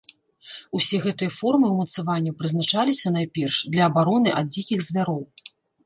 Усе гэтыя формы ўмацаванняў прызначаліся, найперш, для абароны ад дзікіх звяроў.